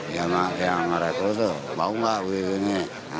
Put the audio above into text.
yang rekrut tuh mau gak wih ini